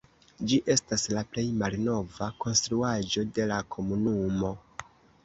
Ĝi estas la plej malnova konstruaĵo de la komunumo.